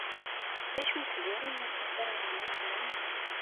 D acu ay tgam i usenfar-nwen ussnan?